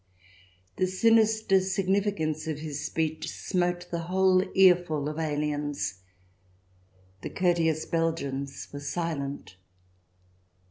The sinister significance of his speech smote the whole earful of aliens. The courteous Belgians were silent.